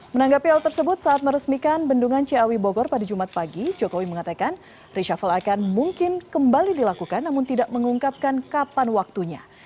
menanggapi hal tersebut saat meresmikan bendungan ciawi bogor pada jumat pagi jokowi mengatakan reshuffle akan mungkin kembali dilakukan namun tidak mengungkapkan kapan waktunya